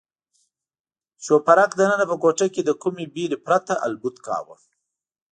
شوپرک دننه په کوټه کې له کومې بېرې پرته الوت کاوه.